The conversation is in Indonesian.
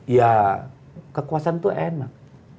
ya kekuasaan itu enak